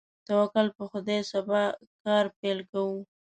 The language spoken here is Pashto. توکل په خدای، سبا کار پیل کوو.